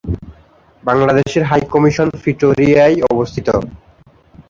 বাংলাদেশের high commission প্রিটোরিয়ায় অবস্থিত।